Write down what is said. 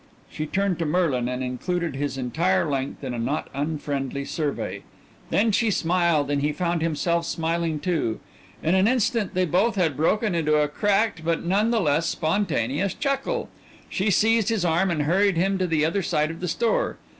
She turned to Merlin and included his entire length in a not unfriendly survey. Then she smiled and he found himself smiling too. In an instant they had both broken into a cracked but none the less spontaneous chuckle. She seized his arm and hurried him to the other side of the store.